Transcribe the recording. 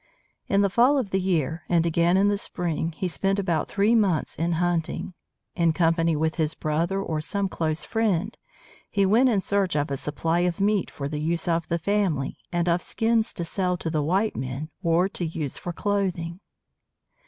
In the fall of the year, and again in the spring, he spent about three months in hunting. In company with his brother or some close friend, he went in search of a supply of meat for the use of the family, and of skins to sell to the white men or to use for clothing.